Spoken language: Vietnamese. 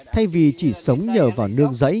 thay vì chỉ sống nhờ vào nương giấy